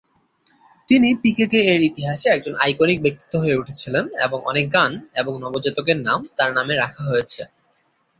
তিনি পিকেকে এর ইতিহাসে একজন আইকনিক ব্যক্তিত্ব হয়ে উঠেছিলেন এবং অনেক গান এবং নবজাতকের নাম তার নামে রাখা হয়েছে।